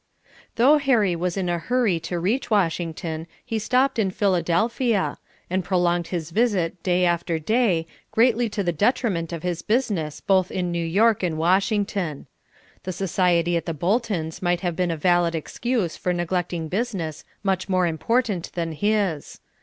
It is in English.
Though Harry was in a hurry to reach Washington, he stopped in Philadelphia; and prolonged his visit day after day, greatly to the detriment of his business both in New York and Washington. The society at the Bolton's might have been a valid excuse for neglecting business much more important than his.